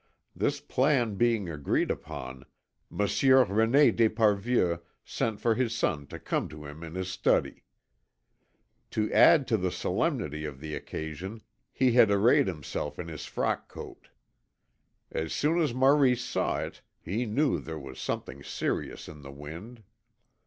This plan being agreed upon, Monsieur René d'Esparvieu sent for his son to come to him in his study. To add to the solemnity of the occasion, he had arrayed himself in his frock coat. As soon as Maurice saw it he knew there was something serious in the wind.